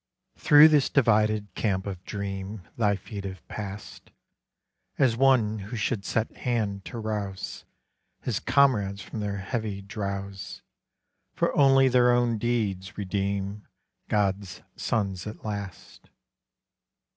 Through this divided camp of dream Thy feet have passed, As one who should set hand to rouse His comrades from their heavy drowse; For only their own deeds redeem God's sons at last.